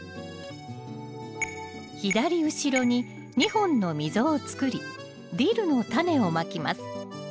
左後ろに２本の溝を作りディルのタネをまきます。